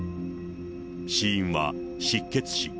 死因は失血死。